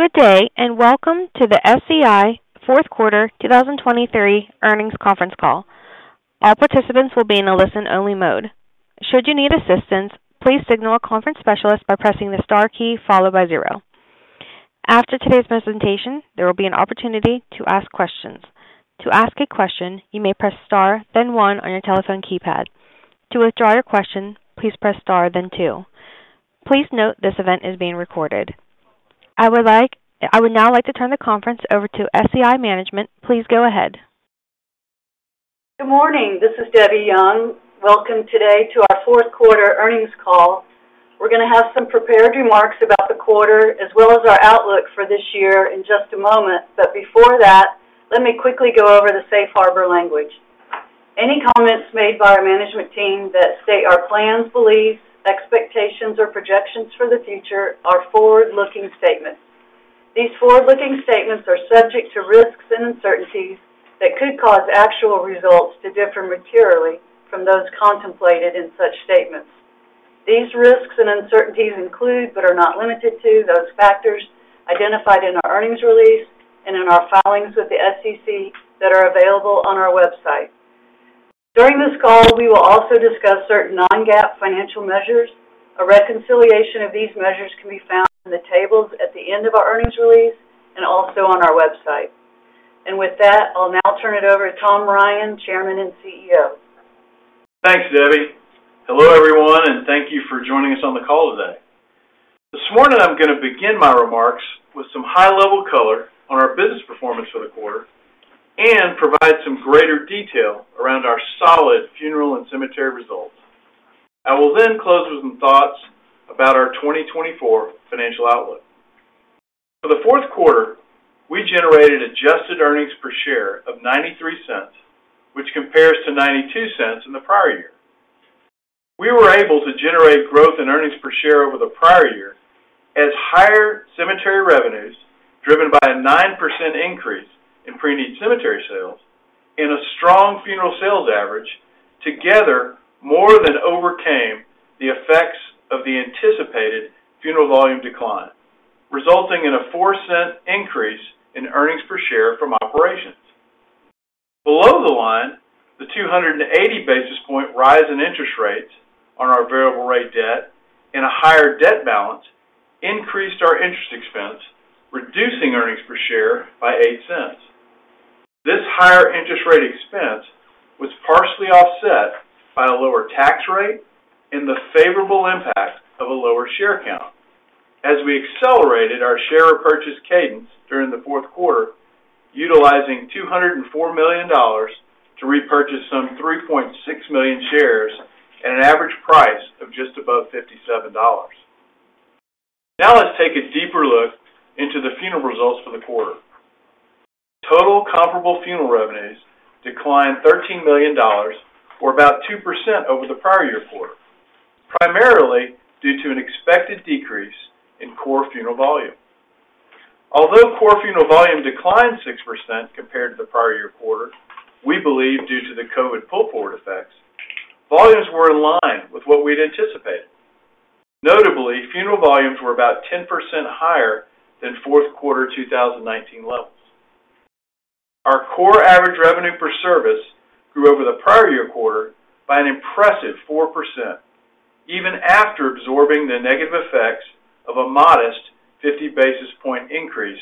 Good day, and welcome to the SCI Fourth Quarter 2023 Earnings Conference Call. All participants will be in a listen-only mode. Should you need assistance, please signal a conference specialist by pressing the star key followed by zero. After today's presentation, there will be an opportunity to ask questions. To ask a question, you may press Star, then one on your telephone keypad. To withdraw your question, please press Star, then two. Please note this event is being recorded. I would now like to turn the conference over to SCI Management. Please go ahead. Good morning. This is Debbie Young. Welcome today to our fourth quarter earnings call. We're gonna have some prepared remarks about the quarter, as well as our outlook for this year in just a moment. But before that, let me quickly go over the Safe Harbor language. Any comments made by our management team that state our plans, beliefs, expectations, or projections for the future are forward-looking statements. These forward-looking statements are subject to risks and uncertainties that could cause actual results to differ materially from those contemplated in such statements. These risks and uncertainties include, but are not limited to, those factors identified in our earnings release and in our filings with the SEC that are available on our website. During this call, we will also discuss certain non-GAAP financial measures. A reconciliation of these measures can be found in the tables at the end of our earnings release and also on our website. With that, I'll now turn it over to Tom Ryan, Chairman and CEO. Thanks, Debbie. Hello, everyone, and thank you for joining us on the call today. This morning, I'm gonna begin my remarks with some high-level color on our business performance for the quarter and provide some greater detail around our solid funeral and cemetery results. I will then close with some thoughts about our 2024 financial outlook. For the fourth quarter, we generated adjusted earnings per share of $0.93, which compares to $0.92 in the prior year. We were able to generate growth in earnings per share over the prior year as higher cemetery revenues, driven by a 9% increase in pre-need cemetery sales and a strong funeral sales average, together more than overcame the effects of the anticipated funeral volume decline, resulting in a $0.04 increase in earnings per share from operations. Below the line, the 280 basis point rise in interest rates on our variable rate debt and a higher debt balance increased our interest expense, reducing earnings per share by $0.08. This higher interest rate expense was partially offset by a lower tax rate and the favorable impact of a lower share count as we accelerated our share repurchase cadence during the fourth quarter, utilizing $204 million to repurchase some 3.6 million shares at an average price of just above $57. Now, let's take a deeper look into the funeral results for the quarter. Total comparable funeral revenues declined $13 million, or about 2% over the prior year quarter, primarily due to an expected decrease in core funeral volume. Although core funeral volume declined 6% compared to the prior year quarter, we believe due to the COVID pull-forward effects, volumes were in line with what we'd anticipated. Notably, funeral volumes were about 10% higher than fourth quarter 2019 levels. Our core average revenue per service grew over the prior year quarter by an impressive 4%, even after absorbing the negative effects of a modest 50 basis points increase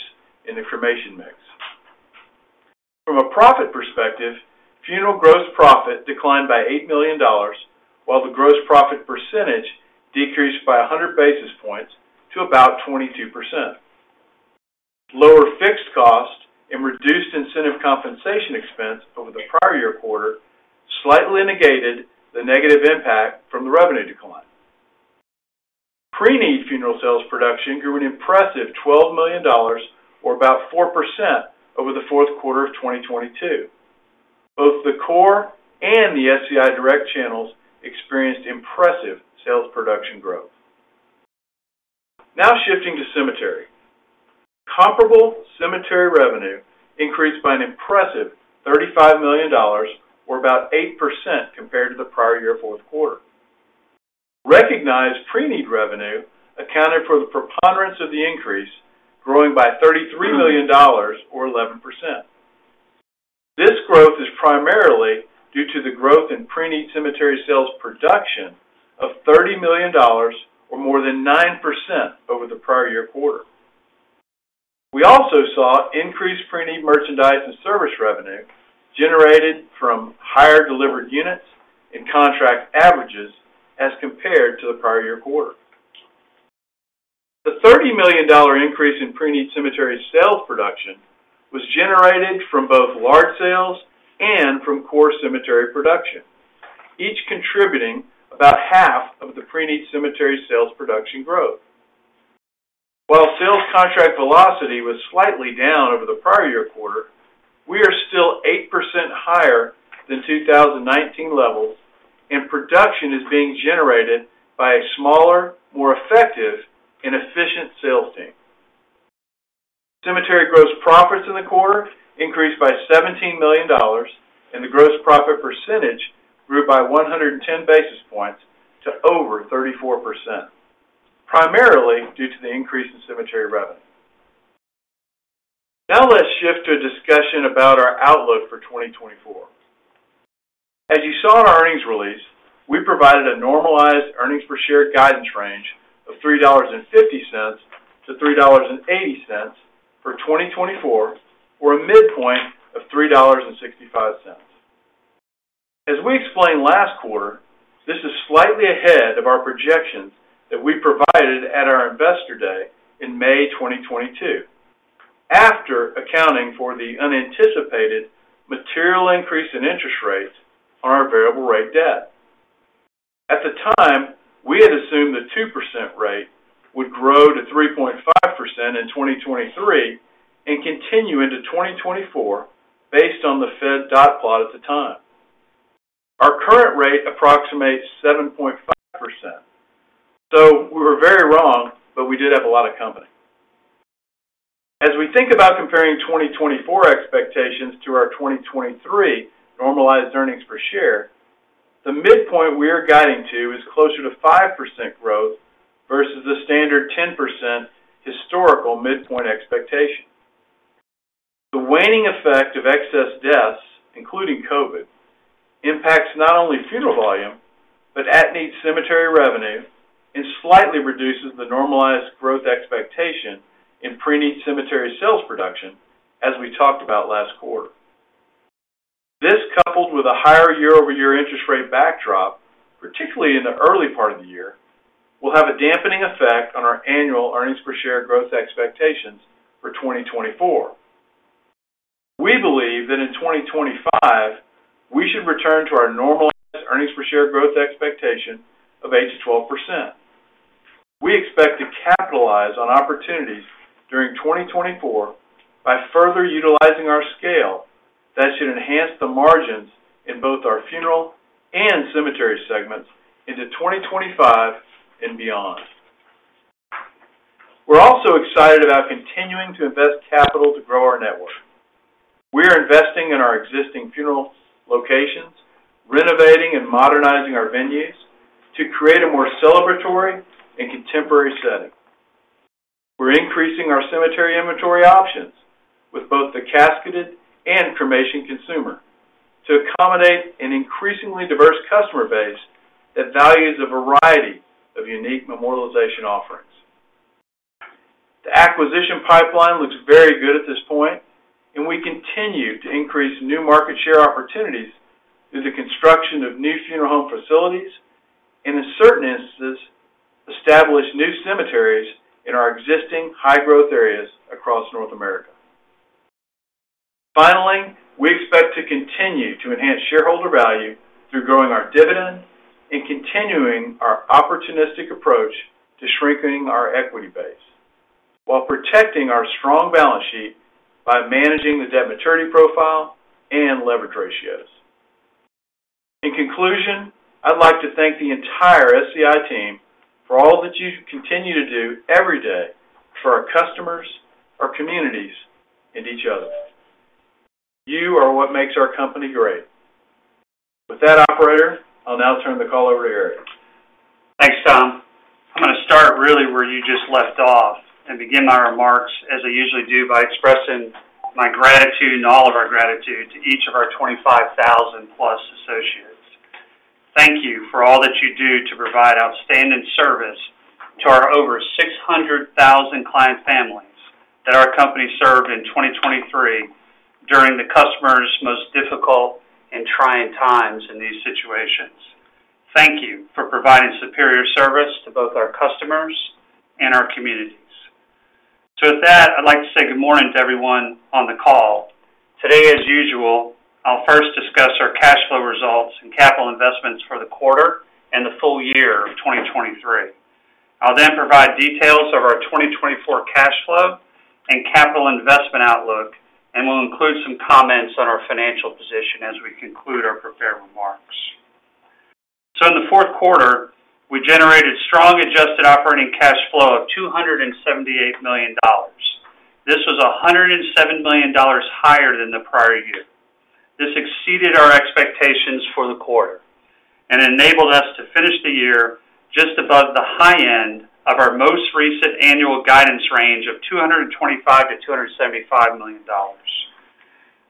in the cremation mix. From a profit perspective, funeral gross profit declined by $8 million, while the gross profit percentage decreased by 100 basis points to about 22%. Lower fixed costs and reduced incentive compensation expense over the prior year quarter slightly negated the negative impact from the revenue decline. Pre-need funeral sales production grew an impressive $12 million or about 4% over the fourth quarter of 2022. Both the core and the SCI Direct channels experienced impressive sales production growth. Now shifting to cemetery. Comparable cemetery revenue increased by an impressive $35 million or about 8% compared to the prior year fourth quarter. Recognized pre-need revenue accounted for the preponderance of the increase, growing by $33 million or 11%. This growth is primarily due to the growth in pre-need cemetery sales production of $30 million or more than 9% over the prior year quarter. We also saw increased pre-need merchandise and service revenue generated from higher delivered units and contract averages as compared to the prior year quarter. The $30 million increase in pre-need cemetery sales production was generated from both large sales and from core cemetery production, each contributing about half of the pre-need cemetery sales production growth. While sales contract velocity was slightly down over the prior year quarter, we are still 8% higher than 2019 levels, and production is being generated by a smaller, more effective and efficient sales team. Cemetery gross profits in the quarter increased by $17 million, and the gross profit percentage grew by 110 basis points to over 34%, primarily due to the increase in cemetery revenue. Now, let's shift to a discussion about our outlook for 2024. As you saw in our earnings release, we provided a normalized earnings per share guidance range of $3.50-$3.80 for 2024, or a midpoint of $3.65. As we explained last quarter, this is slightly ahead of our projections that we provided at our Investor Day in May 2022, after accounting for the unanticipated material increase in interest rates on our variable rate debt. At the time, we had assumed the 2% rate would grow to 3.5% in 2023 and continue into 2024, based on the Fed dot plot at the time. Our current rate approximates 7.5%, so we were very wrong, but we did have a lot of company. As we think about comparing 2024 expectations to our 2023 normalized earnings per share, the midpoint we are guiding to is closer to 5% growth versus the standard 10% historical midpoint expectation. The waning effect of excess deaths, including COVID, impacts not only funeral volume, but at-need cemetery revenue, and slightly reduces the normalized growth expectation in pre-need cemetery sales production, as we talked about last quarter. This, coupled with a higher year-over-year interest rate backdrop, particularly in the early part of the year, will have a dampening effect on our annual earnings per share growth expectations for 2024. We believe that in 2025, we should return to our normalized earnings per share growth expectation of 8%-12%. We expect to capitalize on opportunities during 2024 by further utilizing our scale. That should enhance the margins in both our funeral and cemetery segments into 2025 and beyond. We're also excited about continuing to invest capital to grow our network. We are investing in our existing funeral locations, renovating and modernizing our venues to create a more celebratory and contemporary setting. We're increasing our cemetery inventory options with both the casketed and cremation consumer to accommodate an increasingly diverse customer base that values a variety of unique memorialization offerings. The acquisition pipeline looks very good at this point, and we continue to increase new market share opportunities through the construction of new funeral home facilities, and in certain instances, establish new cemeteries in our existing high-growth areas across North America. Finally, we expect to continue to enhance shareholder value through growing our dividend and continuing our opportunistic approach to shrinking our equity base, while protecting our strong balance sheet by managing the debt maturity profile and leverage ratios. In conclusion, I'd like to thank the entire SCI team for all that you continue to do every day for our customers, our communities, and each other. You are what makes our company great. With that, operator, I'll now turn the call over to Eric. Thanks, Tom. I'm going to start really where you just left off and begin my remarks, as I usually do, by expressing my gratitude and all of our gratitude to each of our 25,000+ associates. Thank you for all that you do to provide outstanding service to our over 600,000 client families that our company served in 2023 during the customers' most difficult and trying times in these situations. Thank you for providing superior service to both our customers and our communities. So with that, I'd like to say good morning to everyone on the call. Today, as usual, I'll first discuss our cash flow results and capital investments for the quarter and the full year of 2023. I'll then provide details of our 2024 cash flow and capital investment outlook, and we'll include some comments on our financial position as we conclude our prepared remarks. In the fourth quarter, we generated strong adjusted operating cash flow of $278 million. This was $107 million higher than the prior year. This exceeded our expectations for the quarter and enabled us to finish the year just above the high end of our most recent annual guidance range of $225 million-$275 million.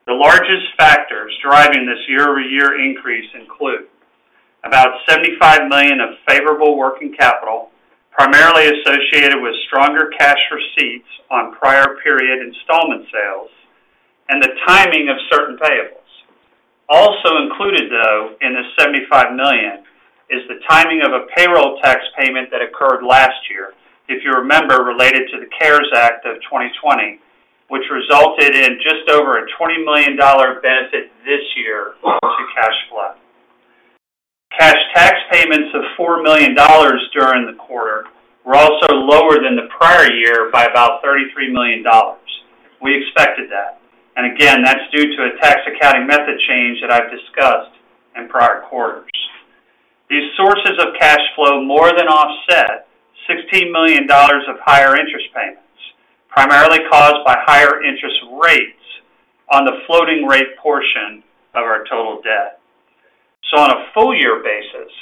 The largest factors driving this year-over-year increase include about $75 million of favorable working capital, primarily associated with stronger cash receipts on prior period installment sales and the timing of certain payables. Also included, though, in the $75 million, is the timing of a payroll tax payment that occurred last year, if you remember, related to the CARES Act of 2020, which resulted in just over a $20 million benefit this year to cash flow. Cash tax payments of $4 million during the quarter were also lower than the prior year by about $33 million. We expected that, and again, that's due to a tax accounting method change that I've discussed in prior quarters. These sources of cash flow more than offset million dollars of higher interest payments, primarily caused by higher interest rates on the floating rate portion of our total debt. So on a full-year basis,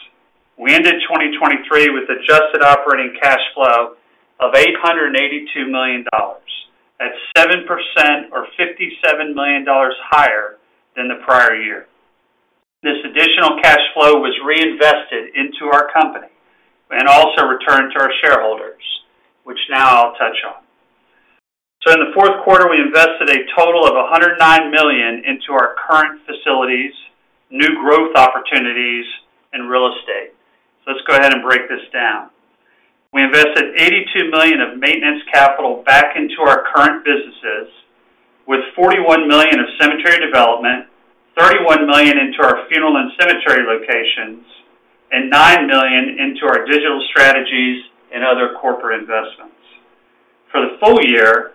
we ended 2023 with adjusted operating cash flow of $882 million, at 7% or $57 million higher than the prior year. This additional cash flow was reinvested into our company and also returned to our shareholders, which now I'll touch on. So in the fourth quarter, we invested a total of $109 million into our current facilities, new growth opportunities, and real estate. So let's go ahead and break this down. We invested $82 million of Maintenance Capital back into our current businesses, with $41 million of cemetery development, $31 million into our funeral and cemetery locations, and $9 million into our digital strategies and other corporate investments. For the full year,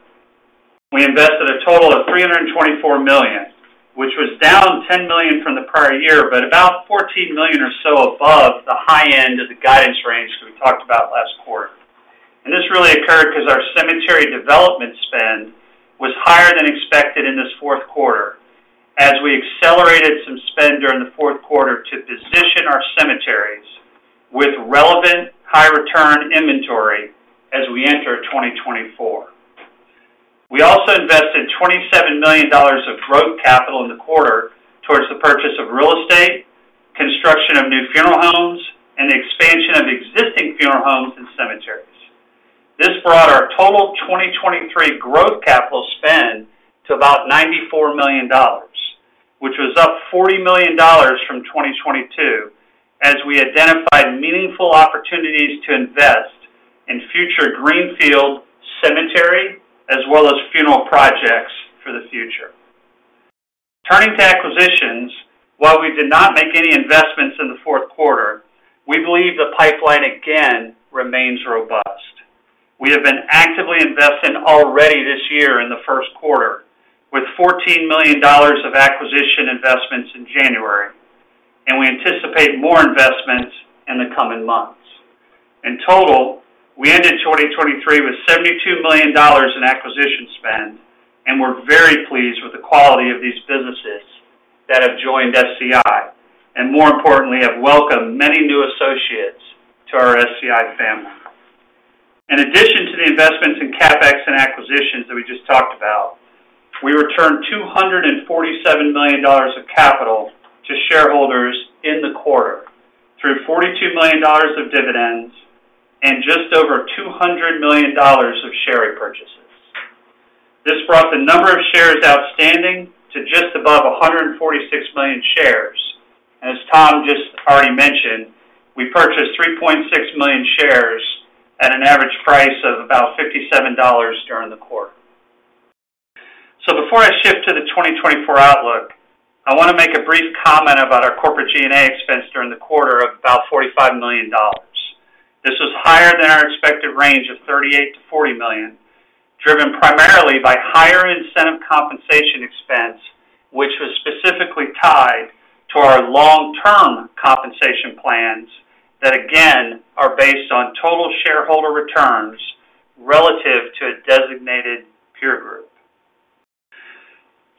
we invested a total of $324 million, which was down $10 million from the prior year, but about $14 million or so above the high end of the guidance range that we talked about last quarter. This really occurred because our cemetery development spend was higher than expected in this fourth quarter, as we accelerated some spend during the fourth quarter to position our cemeteries with relevant, high-return inventory as we enter 2024. We also invested $27 million of growth capital in the quarter towards the purchase of real estate, construction of new funeral homes, and the expansion of existing funeral homes and cemeteries. This brought our total 2023 growth capital spend to about $94 million, which was up $40 million from 2022, as we identified meaningful opportunities to invest in future Greenfield Cemetery, as well as funeral projects for the future. Turning to acquisitions, while we did not make any investments in the fourth quarter, we believe the pipeline again remains robust. We have been actively investing already this year in the first quarter with $14 million of acquisition investments in January, and we anticipate more investments in the coming months. In total, we ended 2023 with $72 million in acquisition spend, and we're very pleased with the quality of these businesses that have joined SCI, and more importantly, have welcomed many new associates to our SCI family. In addition to the investments in CapEx and acquisitions that we just talked about, we returned $247 million of capital to shareholders in the quarter, through $42 million of dividends and just over $200 million of share repurchases. This brought the number of shares outstanding to just above 146 million shares. As Tom just already mentioned, we purchased 3.6 million shares at an average price of about $57 during the quarter. So before I shift to the 2024 outlook, I want to make a brief comment about our corporate G&A expense during the quarter of about $45 million. This was higher than our expected range of $38 million-$40 million, driven primarily by higher incentive compensation expense, which was specifically tied to our long-term compensation plans that, again, are based on total shareholder returns relative to a designated peer group.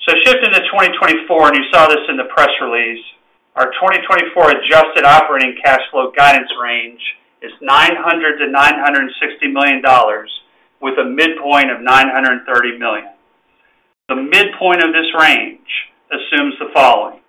So shifting to 2024, and you saw this in the press release, our 2024 adjusted operating cash flow guidance range is $900 million-$960 million, with a midpoint of $930 million. The midpoint of this range assumes the following: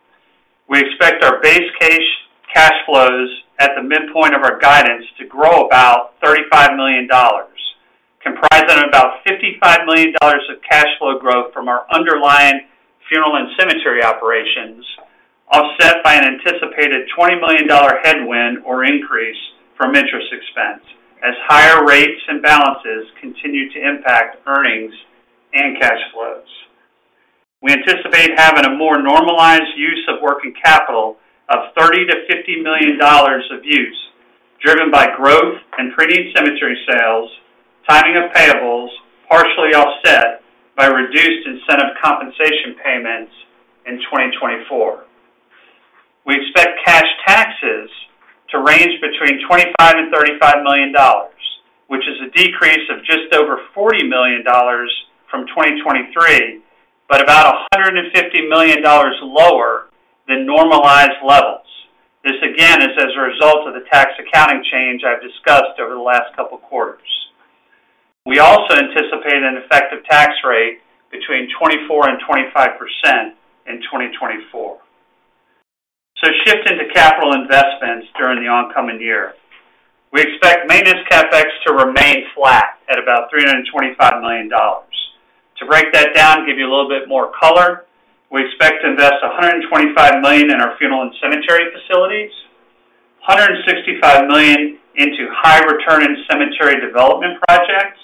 We expect our base case cash flows at the midpoint of our guidance to grow about $35 million, comprised of about $55 million of cash flow growth from our underlying funeral and cemetery operations, offset by an anticipated $20 million headwind or increase from interest expense, as higher rates and balances continue to impact earnings and cash flows. We anticipate having a more normalized use of working capital of $30 million-$50 million of use, driven by growth and preneed cemetery sales, timing of payables, partially offset by reduced incentive compensation payments in 2024. We expect cash taxes to range between $25 million-$35 million, which is a decrease of just over $40 million from 2023, but about $150 million lower than normalized levels. This, again, is as a result of the tax accounting change I've discussed over the last couple of quarters. We also anticipate an effective tax rate between 24% and 25% in 2024. So shifting to capital investments during the oncoming year. We expect maintenance CapEx to remain flat at about $325 million. To break that down and give you a little bit more color, we expect to invest $125 million in our funeral and cemetery facilities, $165 million into high-return and cemetery development projects,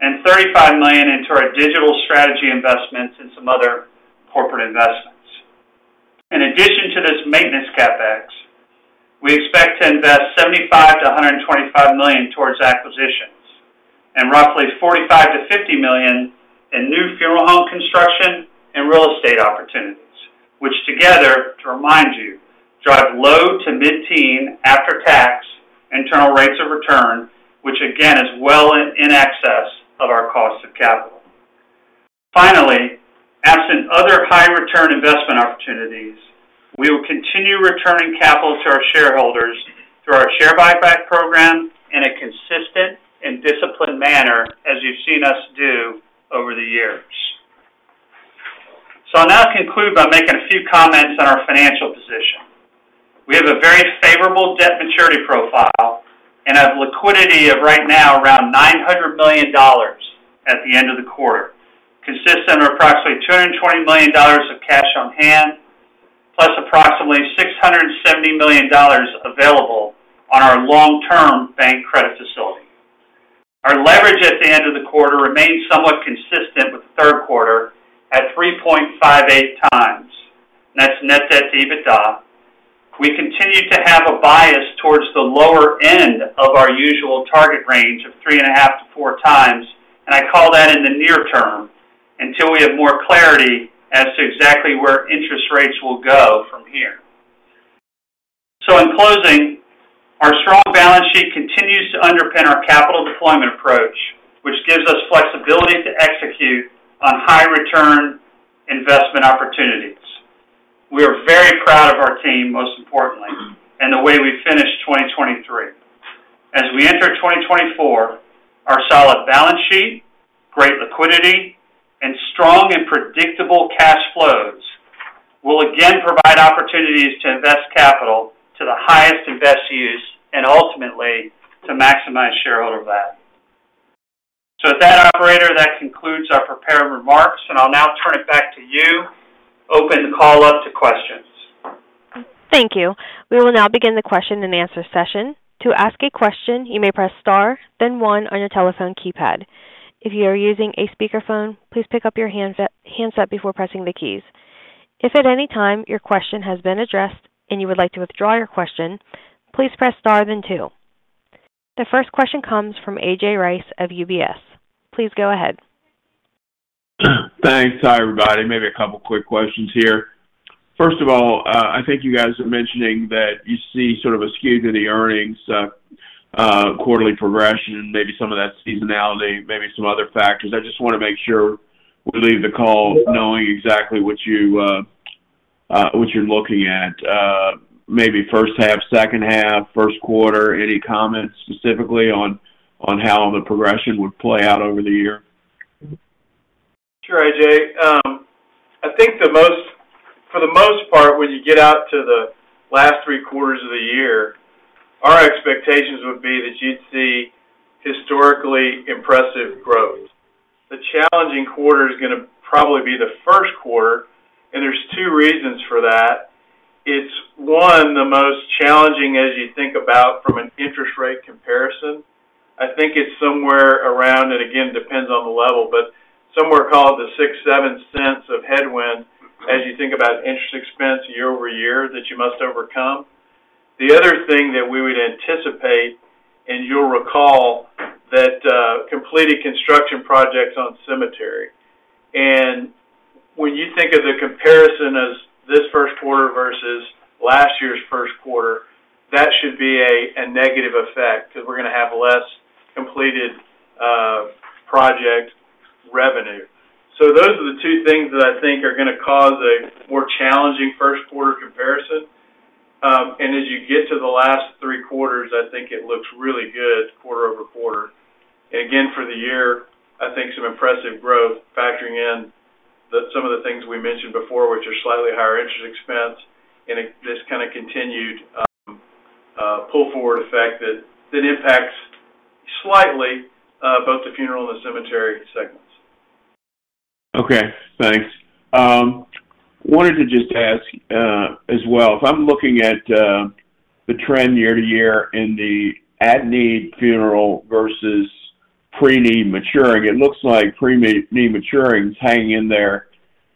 and $35 million into our digital strategy investments and some other corporate investments. In addition to this maintenance CapEx, we expect to invest $75 million-$125 million towards acquisitions and roughly $45 million-$50 million in new funeral home construction and real estate-... Which together, to remind you, drive low- to mid-teen after-tax internal rates of return, which again, is well in excess of our cost of capital. Finally, absent other high return investment opportunities, we will continue returning capital to our shareholders through our share buyback program in a consistent and disciplined manner, as you've seen us do over the years. So I'll now conclude by making a few comments on our financial position. We have a very favorable debt maturity profile and have liquidity of right now, around $900 million at the end of the quarter, consisting of approximately $220 million of cash on hand, plus approximately $670 million available on our long-term bank credit facility. Our leverage at the end of the quarter remained somewhat consistent with the third quarter at 3.58x. That's net debt to EBITDA. We continue to have a bias towards the lower end of our usual target range of 3.5x-4x, and I call that in the near term, until we have more clarity as to exactly where interest rates will go from here. So in closing, our strong balance sheet continues to underpin our capital deployment approach, which gives us flexibility to execute on high return investment opportunities. We are very proud of our team, most importantly, and the way we finished 2023. As we enter 2024, our solid balance sheet, great liquidity, and strong and predictable cash flows will again provide opportunities to invest capital to the highest and best use, and ultimately to maximize shareholder value. So with that, operator, that concludes our prepared remarks, and I'll now turn it back to you. Open the call up to questions. Thank you. We will now begin the question and answer session. To ask a question, you may press Star, then one on your telephone keypad. If you are using a speakerphone, please pick up your handset before pressing the keys. If at any time your question has been addressed and you would like to withdraw your question, please press Star then two. The first question comes from A.J. Rice of UBS. Please go ahead. Thanks. Hi, everybody. Maybe a couple of quick questions here. First of all, I think you guys are mentioning that you see sort of a skew to the earnings, quarterly progression, and maybe some of that seasonality, maybe some other factors. I just wanna make sure we leave the call knowing exactly what you, what you're looking at, maybe first half, second half, first quarter. Any comments specifically on how the progression would play out over the year? Sure, A.J. I think for the most part, when you get out to the last three quarters of the year, our expectations would be that you'd see historically impressive growth. The challenging quarter is gonna probably be the first quarter, and there's two reasons for that. It's one, the most challenging as you think about from an interest rate comparison. I think it's somewhere around, and again, depends on the level, but somewhere called the $0.06-$0.07 of headwind as you think about interest expense year-over-year, that you must overcome. The other thing that we would anticipate, and you'll recall, that completed construction projects on cemetery. When you think of the comparison as this first quarter versus last year's first quarter, that should be a negative effect, because we're gonna have less completed project revenue. So those are the two things that I think are gonna cause a more challenging first quarter comparison. And as you get to the last three quarters, I think it looks really good quarter over quarter. Again, for the year, I think some impressive growth, factoring in some of the things we mentioned before, which are slightly higher interest expense, and it just kinda continued pull forward effect that impacts slightly both the funeral and the cemetery segments. Okay, thanks. Wanted to just ask, as well, if I'm looking at the trend year to year in the at-need funeral versus pre-need maturing, it looks like pre-need maturing is hanging in there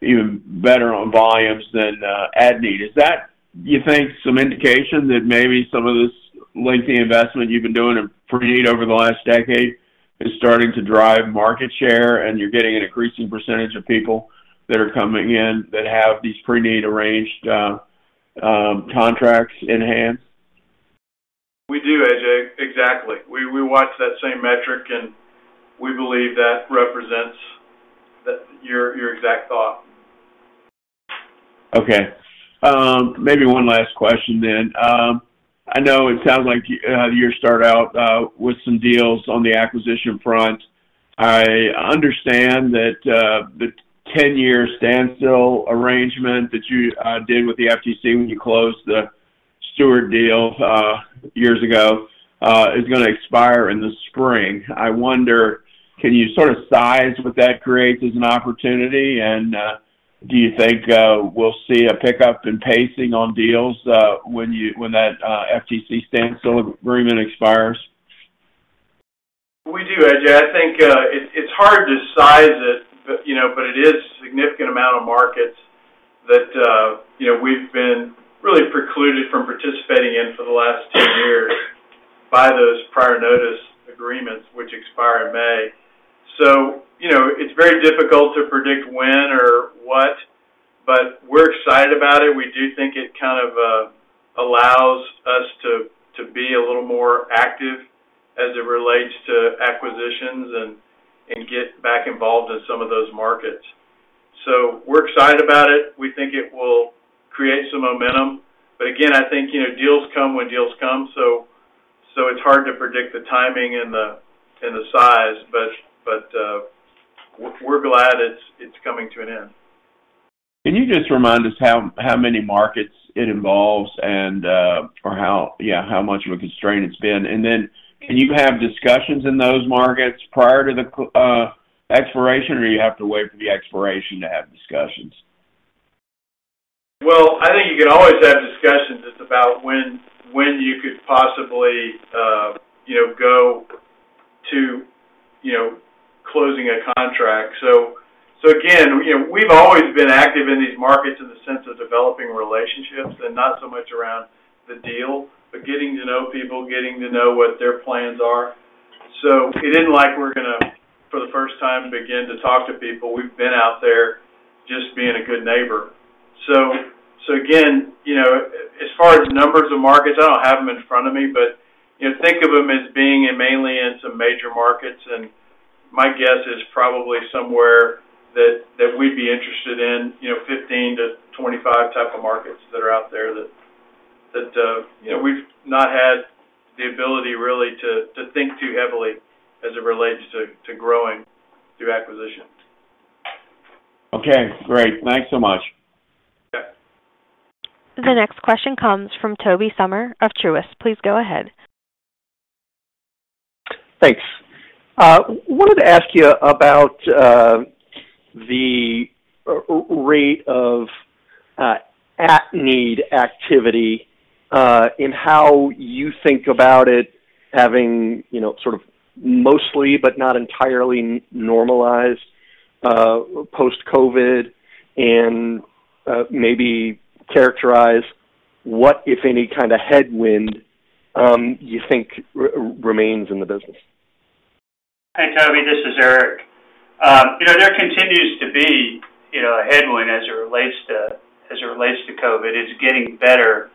even better on volumes than at-need. Is that, you think, some indication that maybe some of this lengthy investment you've been doing in pre-need over the last decade is starting to drive market share, and you're getting an increasing percentage of people that are coming in that have these pre-need arranged contracts in hand? We do, A.J. Exactly. We, we watch that same metric, and we believe that represents the, your, your exact thought. Okay, maybe one last question then. I know it sounds like, you start out with some deals on the acquisition front. I understand that, the 10-year standstill arrangement that you did with the FTC when you closed the Stewart deal, years ago, is gonna expire in the spring. I wonder, can you sort of size what that creates as an opportunity? And, do you think, we'll see a pickup in pacing on deals, when that FTC standstill agreement expires? We do, A.J. I think, it, it's hard to size it, but, you know, but it is a significant amount of markets that, you know, we've been really precluded from participating in for the last two-... by those prior notice agreements, which expire in May. So, you know, it's very difficult to predict when or what, but we're excited about it. We do think it kind of, allows us to, to be a little more active as it relates to acquisitions and, and get back involved in some of those markets. So we're excited about it. We think it will create some momentum. But again, I think, you know, deals come when deals come, so, so it's hard to predict the timing and the, and the size, but, but, we're, we're glad it's, it's coming to an end. Can you just remind us how, how many markets it involves and, or how, yeah, how much of a constraint it's been? And then, can you have discussions in those markets prior to the, expiration, or you have to wait for the expiration to have discussions? Well, I think you can always have discussions. It's about when, when you could possibly, you know, go to, you know, closing a contract. So, so again, you know, we've always been active in these markets in the sense of developing relationships and not so much around the deal, but getting to know people, getting to know what their plans are. So it isn't like we're gonna, for the first time, begin to talk to people. We've been out there just being a good neighbor. So, so again, you know, as far as numbers of markets, I don't have them in front of me, but, you know, think of them as being mainly in some major markets. My guess is probably somewhere that we'd be interested in, you know, 15-25 type of markets that are out there, that, you know, we've not had the ability really to think too heavily as it relates to growing through acquisitions. Okay, great. Thanks so much. Yeah. The next question comes from Tobey Sommer of Truist. Please go ahead. Thanks. Wanted to ask you about the rate of at-need activity in how you think about it having, you know, sort of mostly, but not entirely normalized post-COVID, and maybe characterize what, if any, kind of headwind you think remains in the business? Hi, Toby, this is Eric. You know, there continues to be, you know, a headwind as it relates to COVID-19. It's getting better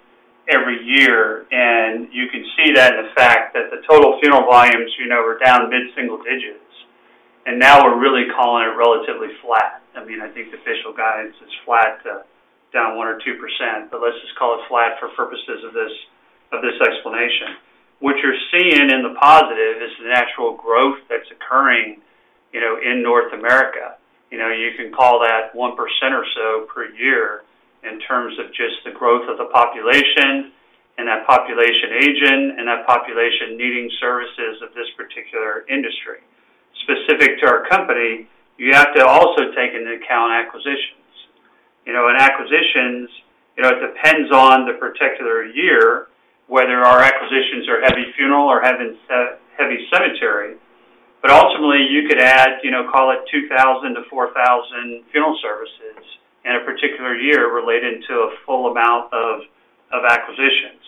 every year, and you can see that in the fact that the total funeral volumes, you know, were down mid-single digits, and now we're really calling it relatively flat. I mean, I think the official guidance is flat to down 1%-2%, but let's just call it flat for purposes of this explanation. What you're seeing in the positive is the natural growth that's occurring, you know, in North America. You know, you can call that 1% or so per year in terms of just the growth of the population, and that population aging, and that population needing services of this particular industry. Specific to our company, you have to also take into account acquisitions. You know, and acquisitions, you know, it depends on the particular year, whether our acquisitions are heavy funeral or heavy cemetery. But ultimately, you could add, you know, call it 2,000-4,000 funeral services in a particular year related to a full amount of, of acquisitions.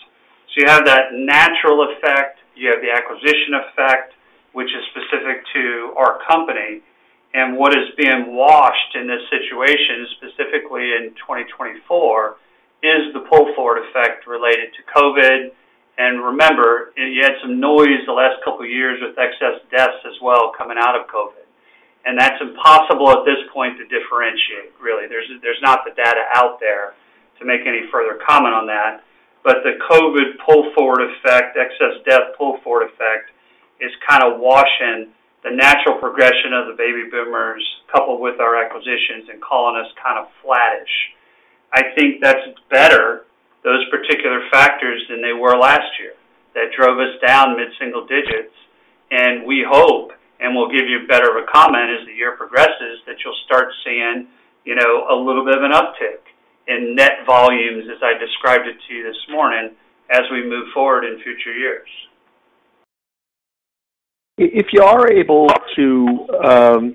So you have that natural effect, you have the acquisition effect, which is specific to our company. And what is being washed in this situation, specifically in 2024, is the pull-forward effect related to COVID. And remember, you had some noise the last couple of years with excess deaths as well, coming out of COVID, and that's impossible at this point to differentiate, really. There's, there's not the data out there to make any further comment on that. But the COVID pull-forward effect, excess death pull-forward effect, is kind of washing the natural progression of the baby boomers, coupled with our acquisitions and calling us kind of flattish. I think that's better, those particular factors, than they were last year. That drove us down mid-single digits, and we hope, and we'll give you better of a comment as the year progresses, that you'll start seeing, you know, a little bit of an uptick in net volumes, as I described it to you this morning, as we move forward in future years. If you are able to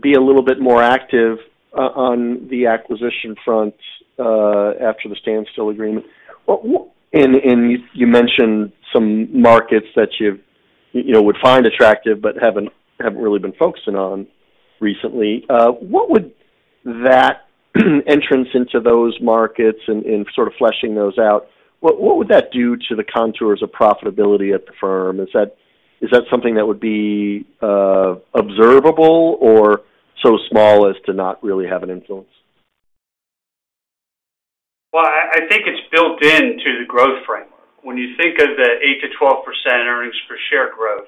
be a little bit more active on the acquisition front after the standstill agreement, what... And you mentioned some markets that you know would find attractive but haven't really been focusing on recently. What would that entrance into those markets and sort of fleshing those out do to the contours of profitability at the firm? Is that something that would be observable or so small as to not really have an influence? Well, I think it's built into the growth framework. When you think of the 8%-12% earnings per share growth,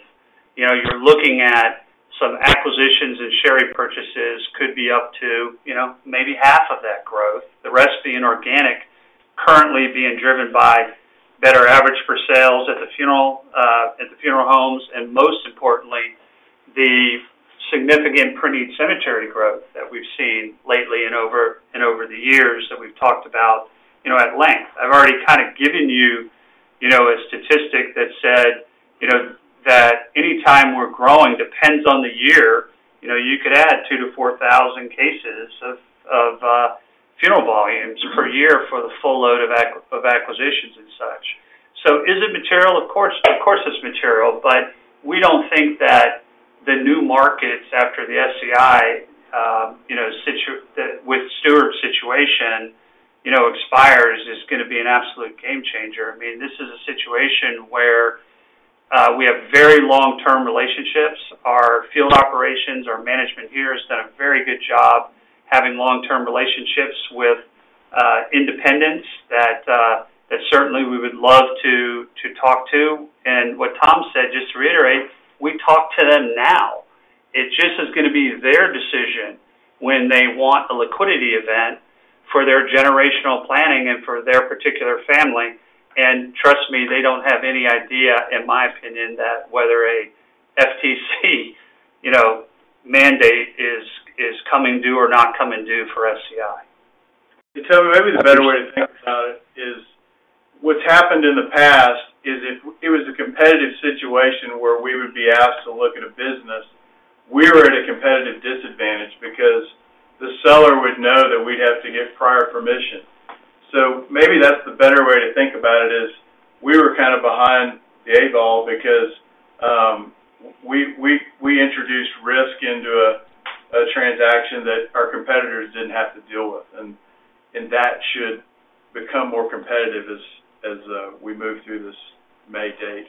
you know, you're looking at some acquisitions and share repurchases could be up to, you know, maybe half of that growth. The rest being organic, currently being driven by better average for sales at the funeral, at the funeral homes, and most importantly, the significant preneed cemetery growth that we've seen lately and over, and over the years that we've talked about, you know, at length. I've already kind of given you, you know, a statistic that said, you know, that any time we're growing, depends on the year, you know, you could add 2,000-4,000 cases of per year for the full load of acquisitions and such. So is it material? Of course, of course, it's material, but we don't think that the new markets after the FTC, you know, the, with Stewart situation, you know, expires, is gonna be an absolute game changer. I mean, this is a situation where we have very long-term relationships. Our field operations, our management here, has done a very good job having long-term relationships with independents that certainly we would love to talk to. And what Tom said, just to reiterate, we talk to them now. It just is gonna be their decision when they want a liquidity event for their generational planning and for their particular family. And trust me, they don't have any idea, in my opinion, that whether a FTC mandate is coming due or not coming due for FTC. Toby, maybe the better way to think about it is what's happened in the past is if it was a competitive situation where we would be asked to look at a business, we were at a competitive disadvantage because the seller would know that we'd have to get prior permission. Maybe that's the better way to think about it, is we were kind of behind the eight ball because we introduced risk into a transaction that our competitors didn't have to deal with, and that should become more competitive as we move through this May date.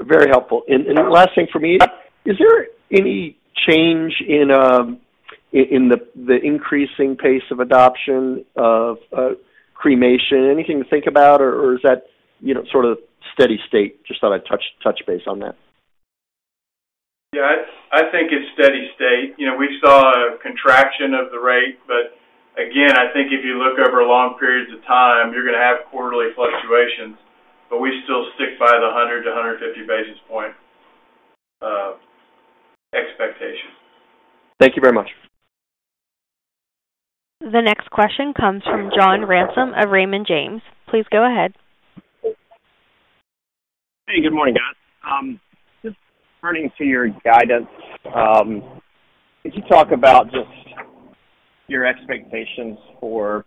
Very helpful. And last thing for me, is there any change in the increasing pace of adoption of cremation? Anything to think about, or is that, you know, sort of steady state? Just thought I'd touch base on that. Yeah, I think it's steady state. You know, we saw a contraction of the rate, but again, I think if you look over long periods of time, you're gonna have quarterly fluctuations, but we still stick by the 100-150 basis point expectation. Thank you very much. The next question comes from John Ransom of Raymond James. Please go ahead. Hey, good morning, guys. Just turning to your guidance, could you talk about just your expectations for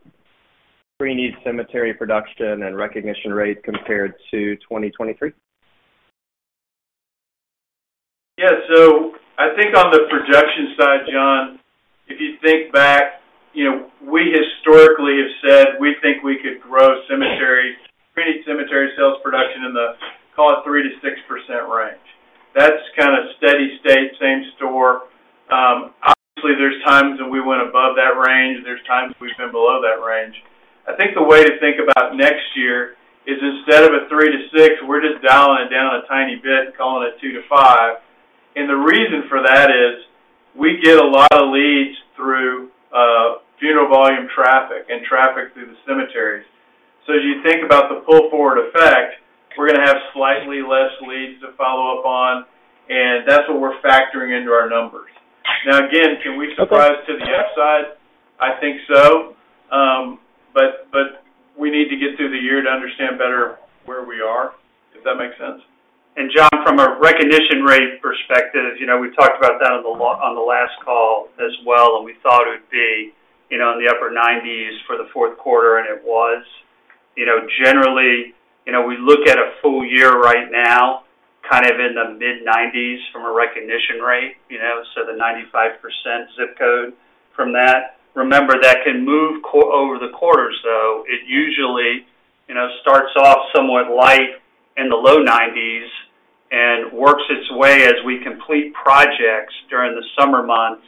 pre-need cemetery production and recognition rate compared to 2023? Yeah. So I think on the production side, John, if you think back, you know, we historically have said we think we could grow cemetery pre-need cemetery sales production in the, call it, 3%-6% range. That's kind of steady state, same store. Obviously, there's times when we went above that range, there's times we've been below that range. I think the way to think about next year is instead of a 3%-6%, we're just dialing it down a tiny bit and calling it 2%-5%. And the reason for that is we get a lot of leads through funeral volume traffic and traffic through the cemeteries. So as you think about the pull-forward effect, we're gonna have slightly less leads to follow up on, and that's what we're factoring into our numbers. Now, again, can we surprise to the upside? I think so. But we need to get through the year to understand better where we are, if that makes sense. John, from a recognition rate perspective, as you know, we talked about that on the last call as well, and we thought it would be, you know, in the upper 90s for the fourth quarter, and it was. You know, generally, you know, we look at a full year right now, kind of in the mid-90s from a recognition rate, you know, so the 95% ZIP Code from that. Remember, that can move over the quarters, though. It usually, you know, starts off somewhat light in the low 90s and works its way as we complete projects during the summer months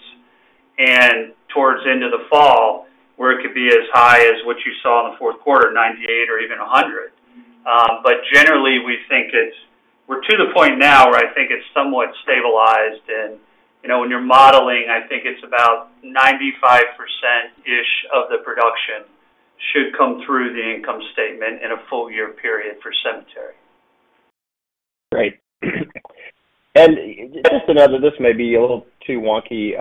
and towards into the fall, where it could be as high as what you saw in the fourth quarter, 98% or even a hundred. But generally, we think it's... We're to the point now where I think it's somewhat stabilized. You know, when you're modeling, I think it's about 95%-ish of the production should come through the income statement in a full year period for cemetery. Great. And just another, this may be a little too wonky,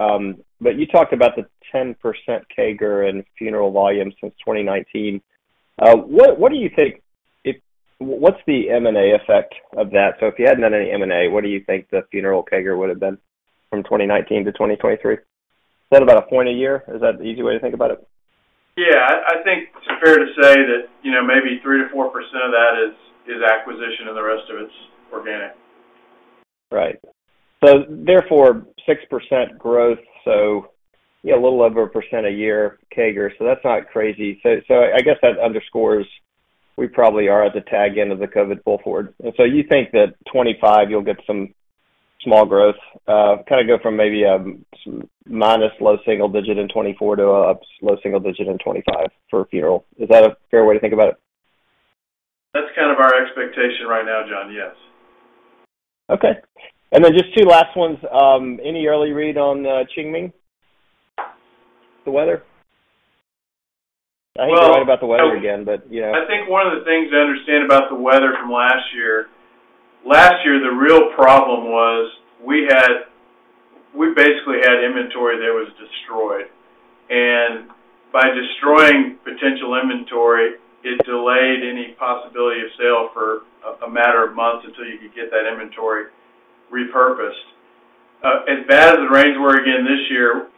but you talked about the 10% CAGR in funeral volumes since 2019. What do you think? What's the M&A effect of that? So if you hadn't done any M&A, what do you think the funeral CAGR would have been from 2019 to 2023? Is that about a point a year? Is that the easy way to think about it? Yeah, I think it's fair to say that, you know, maybe 3%-4% of that is acquisition, and the rest of it's organic. Right. So therefore, 6% growth, so yeah, a little over 1% a year CAGR. So that's not crazy. So, so I guess that underscores we probably are at the tail end of the COVID pull forward. And so you think that 2025, you'll get some small growth, kind of go from maybe some minus low single digit in 2024 to a low single digit in 2025 for funeral. Is that a fair way to think about it? That's kind of our expectation right now, John. Yes. Okay. And then just two last ones. Any early read on Qingming? The weather. I hate to write about the weather again, but, you know- I think one of the things I understand about the weather from last year, last year, the real problem was we had we basically had inventory that was destroyed, and by destroying potential inventory, it delayed any possibility of sale for a matter of months until you could get that inventory repurposed. As bad as the rains were again this year,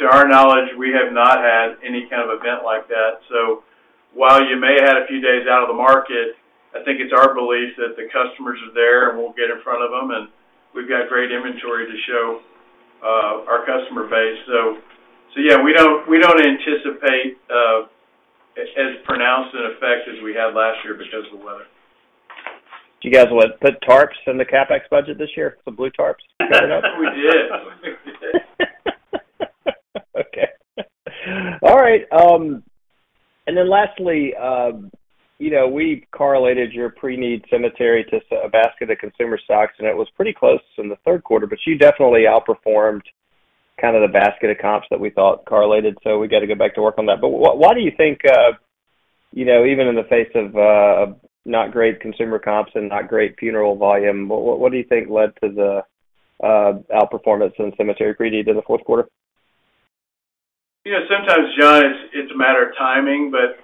to our knowledge, we have not had any kind of event like that. So while you may have had a few days out of the market, I think it's our belief that the customers are there, and we'll get in front of them, and we've got great inventory to show our customer base. So, so yeah, we don't, we don't anticipate as pronounced an effect as we had last year because of the weather. Do you guys, like, put tarps in the CapEx budget this year, the blue tarps? We did. We did. Okay. All right, and then lastly, you know, we correlated your pre-need cemetery to a basket of consumer stocks, and it was pretty close in the third quarter, but you definitely outperformed kind of the basket of comps that we thought correlated, so we got to go back to work on that. But why do you think, you know, even in the face of not great consumer comps and not great funeral volume, what do you think led to the outperformance in cemetery pre-need in the fourth quarter? You know, sometimes, John, it's a matter of timing, but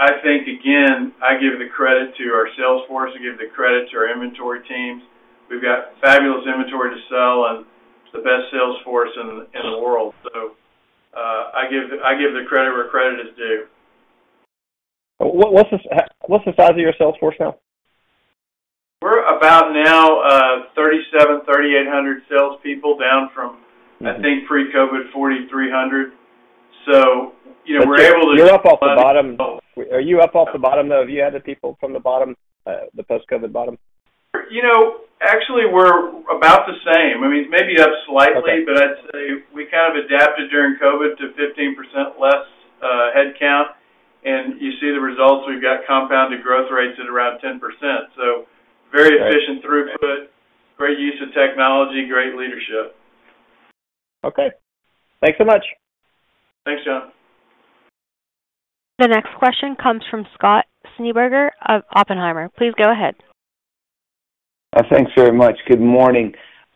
I think, again, I give the credit to our sales force, I give the credit to our inventory teams. We've got fabulous inventory to sell and the best sales force in the world. So, I give the credit where credit is due. What's the size of your sales force now? We're about now 3,700-3,800 salespeople, down from- Mm-hmm. - I think pre-COVID, 4,300. So, you know, we're able to- You're up off the bottom. Are you up off the bottom, though? Have you had the people from the bottom, the post-COVID bottom? You know, actually, we're about the same. I mean, maybe up slightly- Okay. But I'd say we kind of adapted during COVID to 15% less headcount, and you see the results. We've got compounded growth rates at around 10%. So very efficient- Okay. throughput, great use of technology, great leadership. Okay. Thanks so much. Thanks, John. The next question comes from Scott Schneeberger of Oppenheimer. Please go ahead. Thanks very much. Good morning.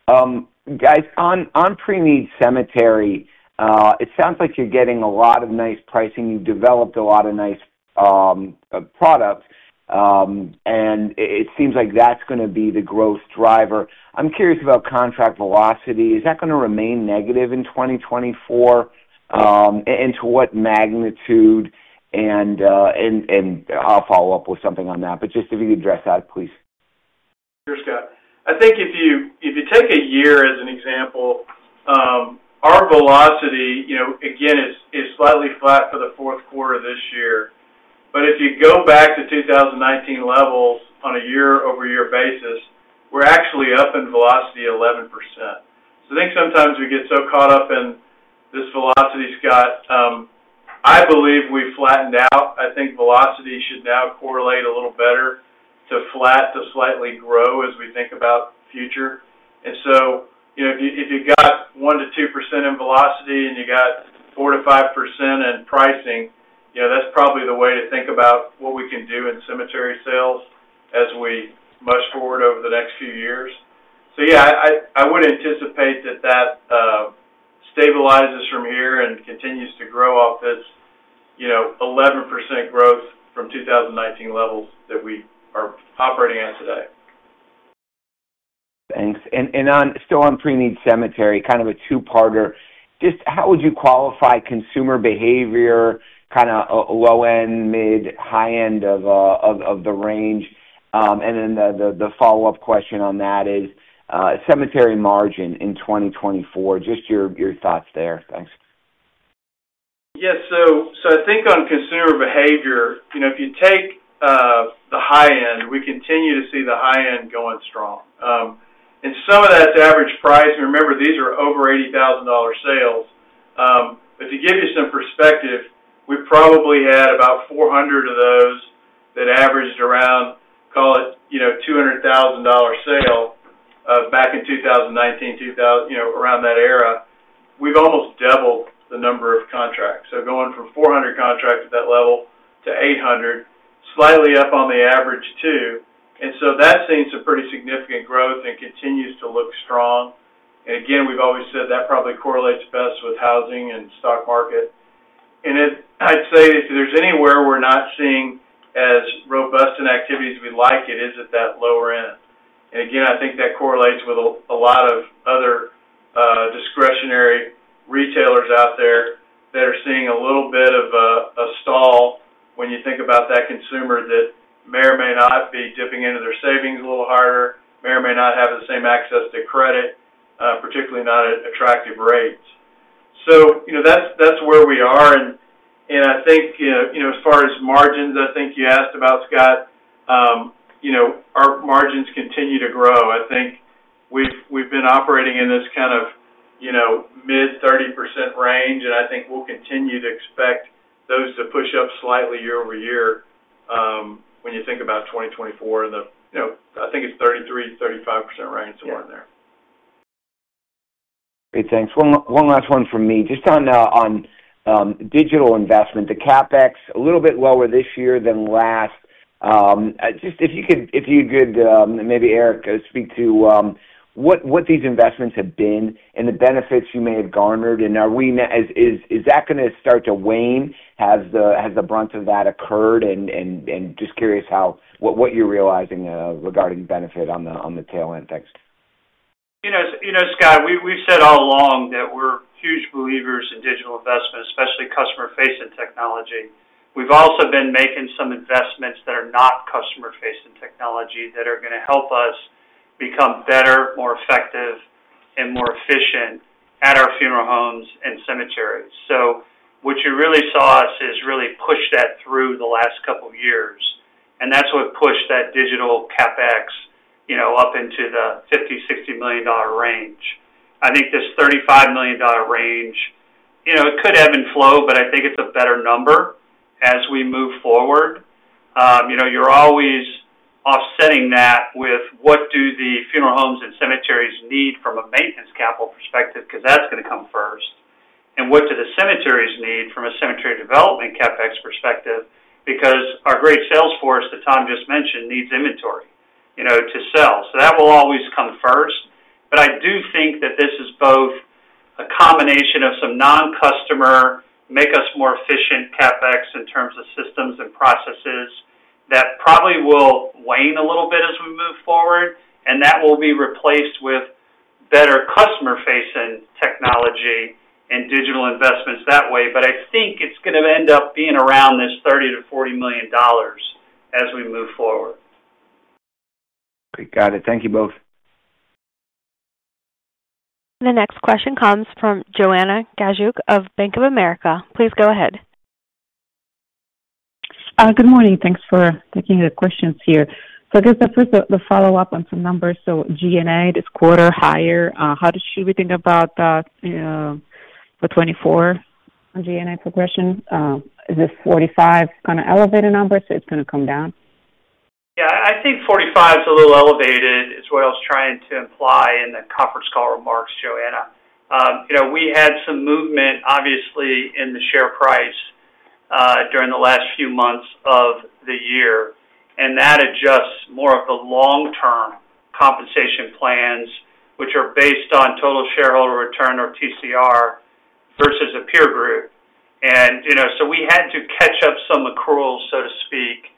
Guys, on pre-need cemetery, it sounds like you're getting a lot of nice pricing. You've developed a lot of nice products, and it seems like that's gonna be the growth driver. I'm curious about contract velocity. Is that gonna remain negative in 2024? And to what magnitude? And I'll follow up with something on that, but just if you could address that, please. Sure, Scott. I think if you, if you take a year as an example, our velocity, you know, again, is, is slightly flat for the fourth quarter this year. But if you go back to 2019 levels on a year-over-year basis, we're actually up in velocity 11%. So I think sometimes we get so caught up in this velocity, Scott, I believe we've flattened out. I think velocity should now correlate a little better to flat, to slightly grow as we think about future. And so, you know, if you, if you've got 1%-2% in velocity and you got 4%-5% in pricing, you know, that's probably the way to think about what we can do in cemetery sales as we push forward over the next few years. So, yeah, I would anticipate that stabilizes from here and continues to grow off this, you know, 11% growth from 2019 levels that we are operating on today. Thanks. And on, still on pre-need cemetery, kind of a two-parter. Just how would you qualify consumer behavior, kind of, low end, mid, high end of the range? And then the follow-up question on that is, cemetery margin in 2024, just your thoughts there. Thanks. Yes. So I think on consumer behavior, you know, if you take the high end, we continue to see the high end going strong. And some of that's average price, and remember, these are over $80,000 sales. But to give you some perspective, we probably had about 400 of those that averaged around, call it, you know, $200,000 sale back in 2019, 2000, you know, around that era. We've almost doubled the number of contracts. So going from 400 contracts at that level to 800, slightly up on the average, too. And so that seems a pretty significant growth and continues to look strong. And again, we've always said that probably correlates best with housing and stock market. I'd say if there's anywhere we're not seeing as robust an activity as we like it, is at that lower end. And again, I think that correlates with a lot of other discretionary retailers out there that are seeing a little bit of a stall when you think about that consumer that may or may not be dipping into their savings a little harder, may or may not have the same access to credit, particularly not at attractive rates. So, you know, that's where we are. And I think, you know, as far as margins, I think you asked about, Scott, you know, our margins continue to grow. I think we've been operating in this kind of, you know, mid-30% range, and I think we'll continue to expect those to push up slightly year-over-year, when you think about 2024, the... You know, I think it's 33%-35% range, somewhere in there. Great. Thanks. One last one from me. Just on digital investment, the CapEx, a little bit lower this year than last. Just if you could, maybe Eric, speak to what these investments have been and the benefits you may have garnered, and are we now, is that gonna start to wane? Has the brunt of that occurred? And just curious how, what you're realizing regarding benefit on the tail end. Thanks. You know, you know, Scott, we, we've said all along that we're huge believers in digital investment, especially customer-facing technology. We've also been making some investments that are not customer-facing technology, that are gonna help us become better, more effective, and more efficient at our funeral homes and cemeteries. So what you really saw us is really push that through the last couple of years, and that's what pushed that digital CapEx, you know, up into the $50-$60 million range. I think this $35 million range, you know, it could ebb and flow, but I think it's a better number as we move forward. You know, you're always offsetting that with what do the funeral homes and cemeteries need from a maintenance capital perspective, 'cause that's gonna come first. And what do the cemeteries need from a cemetery development CapEx perspective? Because our great sales force, that Tom just mentioned, needs inventory, you know, to sell. So that will always come first. But I do think that this is both a combination of some non-customer, make us more efficient CapEx in terms of systems and processes, that probably will wane a little bit as we move forward, and that will be replaced with better customer-facing technology and digital investments that way. But I think it's gonna end up being around this $30 million-$40 million as we move forward. Okay, got it. Thank you both. The next question comes from Joanna Gajuk of Bank of America. Please go ahead. Good morning. Thanks for taking the questions here. So I guess the first, the follow-up on some numbers. So G&A this quarter higher, how does should we think about that, for 2024 on G&A progression? Is this 45 kind of elevated numbers, so it's gonna come down? Yeah, I think 45 is a little elevated, is what I was trying to imply in the conference call remarks, Joanna. You know, we had some movement, obviously, in the share price, during the last few months of the year, and that adjusts more of the long-term compensation plans, which are based on total shareholder return or TCR, versus a peer group. And, you know, so we had to catch up some accruals, so to speak,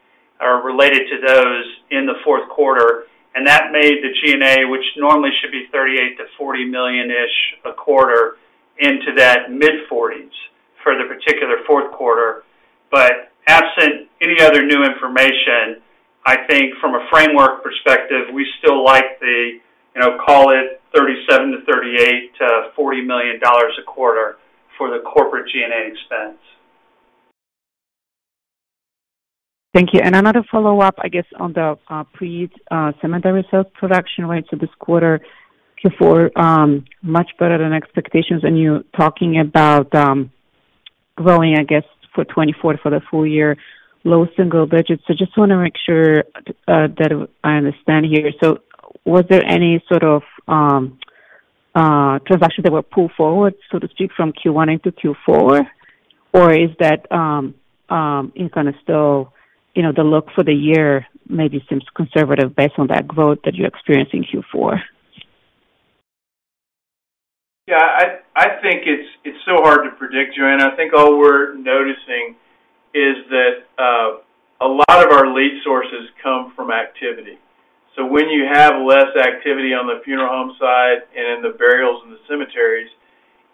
related to those in the fourth quarter, and that made the G&A, which normally should be $38 million-$40 million-ish a quarter into that mid-$40s for the particular fourth quarter. But absent any other new information, I think from a framework perspective, we still like the, you know, call it $37 million to $38 million to $40 million a quarter for the corporate G&A expense. Thank you. Another follow-up, I guess, on the preneed cemetery sales production rates of this quarter were much better than expectations. You're talking about growing, I guess, for 2024, for the full year, low single digits. So just wanna make sure that I understand here. So was there any sort of transaction that were pulled forward, so to speak, from Q1 into Q4? Or is that gonna still, you know, the look for the year maybe seems conservative based on that growth that you're experiencing Q4? Yeah, I think it's so hard to predict, Joanna. I think all we're noticing is that a lot of our lead sources come from activity. So when you have less activity on the funeral home side and in the burials and the cemeteries,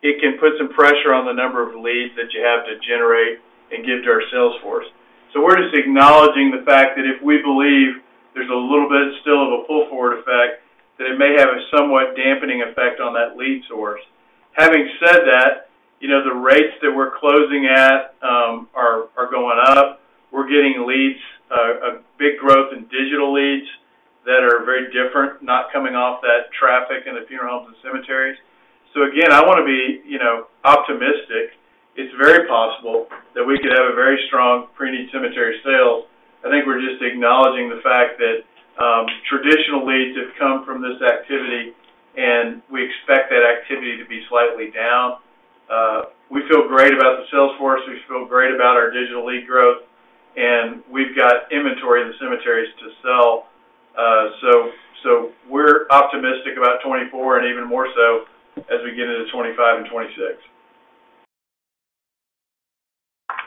it can put some pressure on the number of leads that you have to generate and give to our sales force. So we're just acknowledging the fact that if we believe there's a little bit still of a pull-forward effect, that it may have a somewhat dampening effect on that lead source. Having said that, you know, the rates that we're closing at are going up. We're getting leads, a big growth in digital leads that are very different, not coming off that traffic in the funeral homes and cemeteries. So again, I wanna be, you know, optimistic. It's very possible that we could have a very strong preneed cemetery sales. I think we're just acknowledging the fact that, traditional leads have come from this activity, and we expect that activity to be slightly down. We feel great about the sales force, we feel great about our digital lead growth, and we've got inventory in the cemeteries to sell. So, we're optimistic about 2024 and even more so as we get into 2025 and 2026.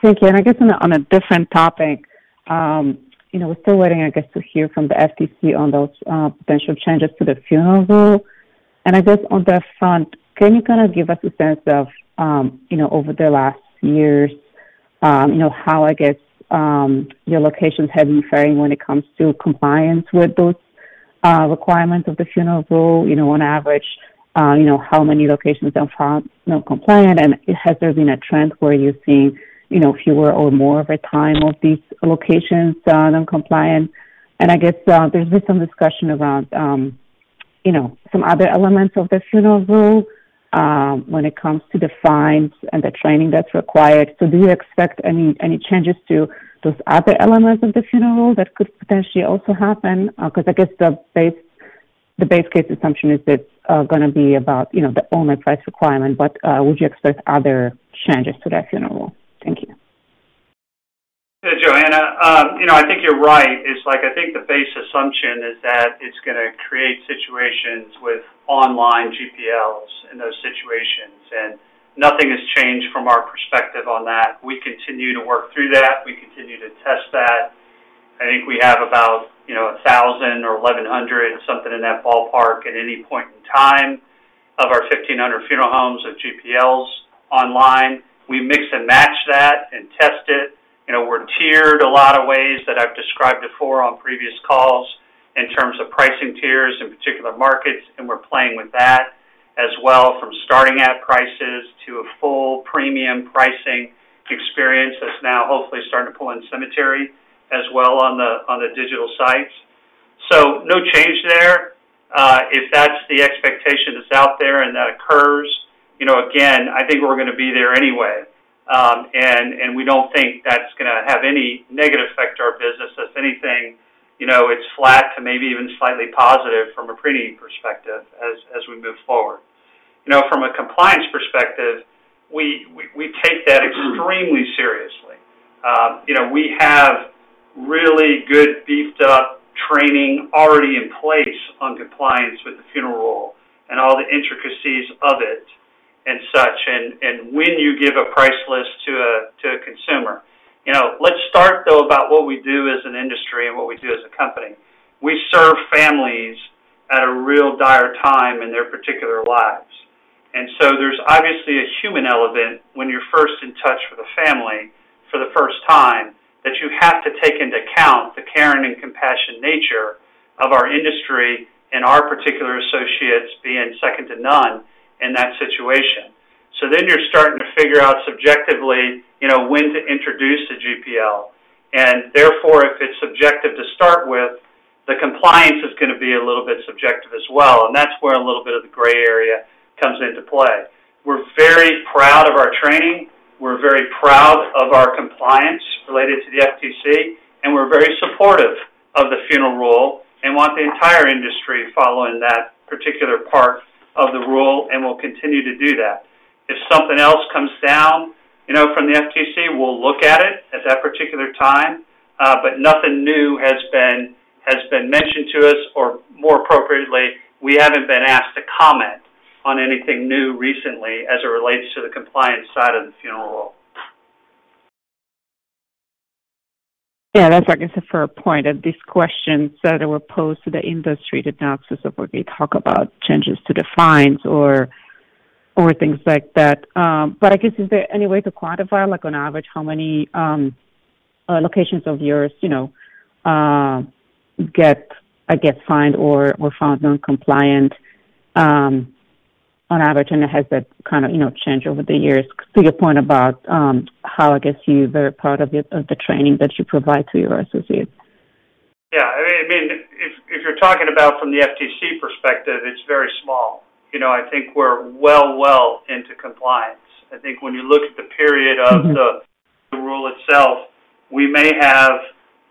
Thank you. And I guess on a different topic, you know, we're still waiting, I guess, to hear from the FTC on those potential changes to the Funeral Rule. And I guess on that front, can you kind of give us a sense of, you know, over the last years, you know, how I guess your locations have been faring when it comes to compliance with those requirements of the Funeral Rule? You know, on average, you know, how many locations are noncompliant, and has there been a trend where you're seeing, you know, fewer or more over time of these locations noncompliant? And I guess, there's been some discussion around, you know, some other elements of the Funeral Rule, when it comes to the fines and the training that's required. So do you expect any, any changes to those other elements of the Funeral Rule that could potentially also happen? Because I guess the base, the base case assumption is that gonna be about, you know, the only price requirement, but would you expect other changes to that Funeral Rule? Thank you. Yeah, Joanna. You know, I think you're right. It's like, I think the base assumption is that it's gonna create situations with online GPLs in those situations, and nothing has changed from our perspective on that. We continue to work through that. We continue to test that. I think we have about, you know, 1,000 or 1,100, something in that ballpark, at any point in time of our 1,500 funeral homes and GPLs online. We mix and match that and test it. You know, we're tiered a lot of ways that I've described before on previous calls in terms of pricing tiers in particular markets, and we're playing with that as well, from starting at prices to a full premium pricing experience that's now hopefully starting to pull in cemetery as well on the, on the digital sites. So no change there. If that's the expectation that's out there and that occurs, you know, again, I think we're gonna be there anyway. And we don't think that's gonna have any negative effect to our business. If anything, you know, it's flat to maybe even slightly positive from a preneed perspective as we move forward. You know, from a compliance perspective, we take that extremely seriously. You know, we have really good beefed up training already in place on compliance with the Funeral Rule and all the intricacies of it and such. And when you give a price list to a consumer, you know, let's start, though, about what we do as an industry and what we do as a company. We serve families at a real dire time in their particular lives, and so there's obviously a human element when you're first in touch with a family for the first time, that you have to take into account the caring and compassionate nature of our industry and our particular associates being second to none in that situation. So then you're starting to figure out subjectively, you know, when to introduce the GPL, and therefore, if it's subjective to start with, the compliance is gonna be a little bit subjective as well, and that's where a little bit of the gray area comes into play. We're very proud of our training. We're very proud of our compliance related to the FTC, and we're very supportive of the Funeral Rule and want the entire industry following that particular part of the rule, and we'll continue to do that. If something else comes down, you know, from the FTC, we'll look at it at that particular time, but nothing new has been mentioned to us, or more appropriately, we haven't been asked to comment on anything new recently as it relates to the compliance side of the Funeral Rule. Yeah, that's, I guess, the fair point of these questions that were posed to the industry, the diagnosis of where they talk about changes to the fines or, or things like that. But I guess, is there any way to quantify, like, on average, how many locations of yours, you know, get, I guess, fined or, or found non-compliant, on average, and has that kind of, you know, changed over the years, to your point about, how, I guess, you're very proud of the, of the training that you provide to your associates? Yeah, I mean, if you're talking about from the FTC perspective, it's very small. You know, I think we're well, well into compliance. I think when you look at the period of the rule itself, we may have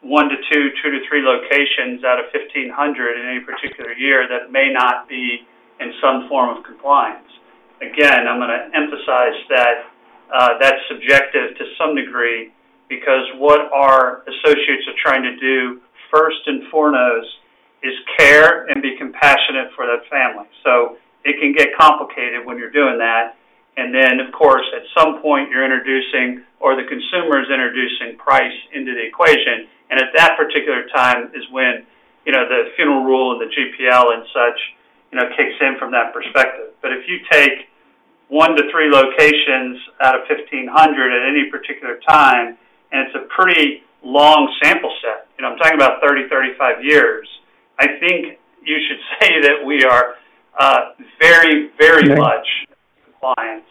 one to two, two to three locations out of 1,500 in any particular year that may not be in some form of compliance. Again, I'm gonna emphasize that that's subjective to some degree because what our associates are trying to do first and foremost is care and be compassionate for that family. So it can get complicated when you're doing that. And then, of course, at some point you're introducing or the consumer is introducing price into the equation, and at that particular time is when, you know, the Funeral Rule and the GPL and such, you know, kicks in from that perspective. If you take one to two locations out of 1,500 at any particular time, and it's a pretty long sample set, you know, I'm talking about 30 years-35 years, I think you should say that we are very, very much in compliance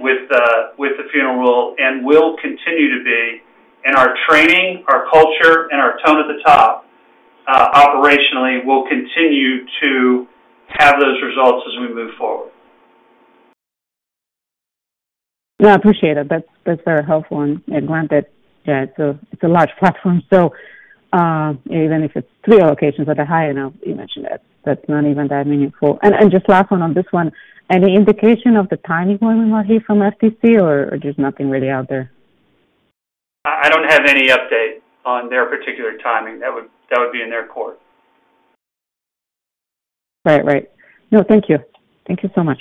with the Funeral Rule and will continue to be, and our training, our culture, and our tone at the top operationally will continue to have those results as we move forward. No, I appreciate it. That's very helpful. And granted, yeah, it's a large platform, so even if it's three locations at the high end, you mentioned that, that's not even that meaningful. And just last one on this one, any indication of the timing when we will hear from FTC or just nothing really out there? I don't have any update on their particular timing. That would be in their court. Right. Right. No, thank you. Thank you so much.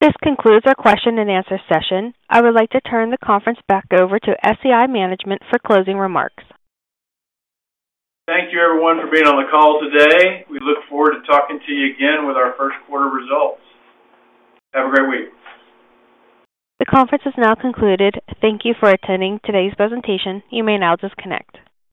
This concludes our question and answer session. I would like to turn the conference back over to SCI Management for closing remarks. Thank you, everyone, for being on the call today. We look forward to talking to you again with our first quarter results. Have a great week. The conference is now concluded. Thank you for attending today's presentation. You may now disconnect.